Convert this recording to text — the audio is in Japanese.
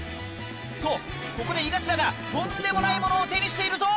とここで井頭がとんでもないものを手にしているぞ！